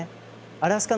アラスカ